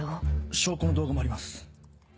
証拠の動画もあります。